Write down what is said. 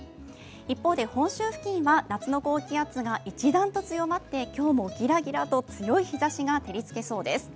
一方で本州付近は夏の高気圧が一段と強まって、今日もギラギラと強い日ざしが照りつけそうです。